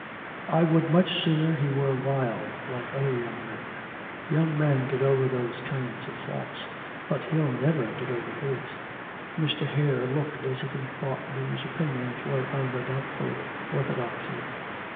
'I would much sooner he were wild, like other young men. Young men get over those kind of faults, but he'll never get over his.' Mr. Hare looked as if he thought these opinions were of a doubtful orthodoxy.